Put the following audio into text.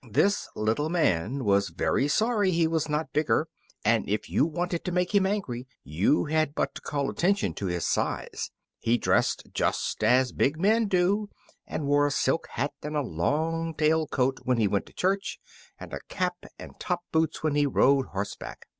This little man was very sorry he was not bigger, and if you wanted to make him angry you had but to call attention to his size. He dressed just as big men do, and wore a silk hat and a long tailed coat when he went to church, and a cap and top boots when he rode horseback.